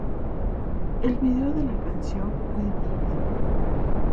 El vídeo de la canción "Why Me?